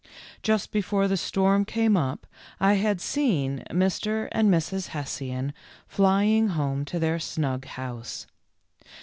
Just before the storm came up I had seen Mr. and Mrs. Hessian flying home to their snug house.